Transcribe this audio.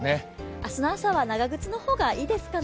明日の朝は長靴の方がいいですかね。